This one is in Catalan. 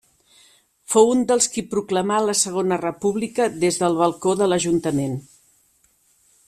Fou un dels qui proclamà la Segona República des del balcó de l'ajuntament.